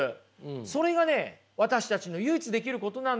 それがね私たちの唯一できることなんですよ。